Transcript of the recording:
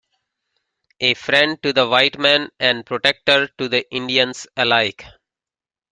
A friend to the white man and protector to the Indians alike.